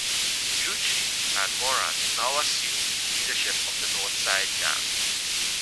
Drucci and Moran now assumed leadership of the North Side Gang.